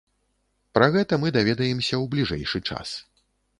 Пра гэта мы даведаемся ў бліжэйшы час.